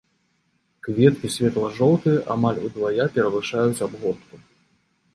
Кветкі светла-жоўтыя, амаль удвая перавышаюць абгортку.